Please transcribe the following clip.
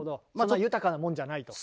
そんな豊かなもんじゃないと。